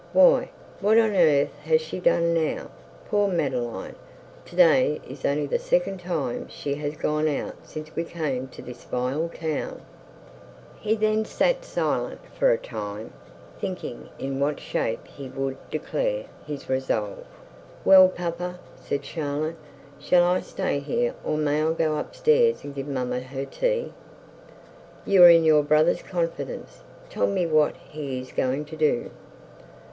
'Why, what on earth has she done now? Poor Madeline! To day is only the second time she has gone out since we came to this vile town.' He then sat silent for a time, thinking in what shape he would declare his resolve. 'Well, papa,' said Charlotte, 'shall I stay here, or may I go up stairs and give mamma her tea?' 'You are in your brother's confidence. Tell me what he is going to do?'